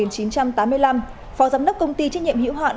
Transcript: phó giám đốc công ty trách nhiệm hữu hạn